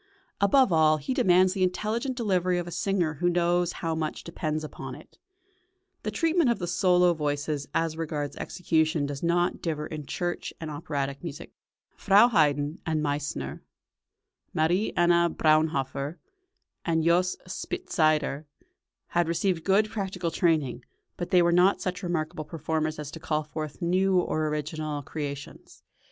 Above all, he demands the intelligent delivery of a singer who knows how much depends upon it. The treatment of the solo voices as regards execution does not differ in church and operatic music. Frau Haydn and Meissner, Marie Anna Braunhofer and Jos. Spitzeder, had received good practical training, but they were not such remarkable performers as to call forth new or original creations.